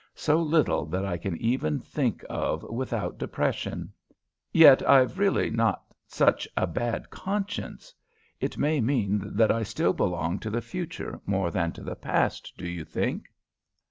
So little that I can even think of without depression. Yet I've really not such a bad conscience. It may mean that I still belong to the future more than to the past, do you think?"